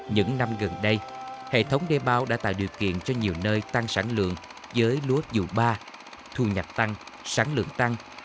những năm gần đây hệ thống đê bao đã tạo điều kiện cho nhiều nơi tăng sản lượng với lúa dụ ba thu nhập tăng sản lượng tăng